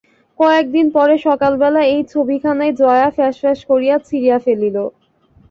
কয়েকদিন পরে সকালবেলা এই ছবিখানাই জয়া ফ্যাসফ্যাস করিয়া ছিঁড়িয়া ফেলিল।